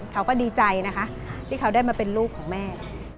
เขาก็ดีใจนะคะที่เขาได้มาเป็นลูกของแม่